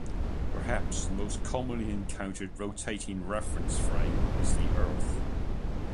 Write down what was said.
Perhaps the most commonly encountered rotating reference frame is the Earth.